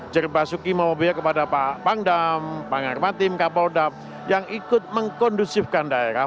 jerbasuki mawabeo kepada pak pangdam pak ngarmatim kapoldap yang ikut mengkondusifkan daerah